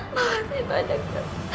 makasih banyak kak